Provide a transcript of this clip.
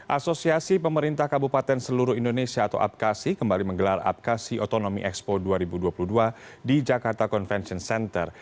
asosiasi pemerintah kabupaten seluruh indonesia atau apkasi kembali menggelar apkasi otonomi expo dua ribu dua puluh dua di jakarta convention center